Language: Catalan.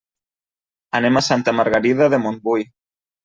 Anem a Santa Margarida de Montbui.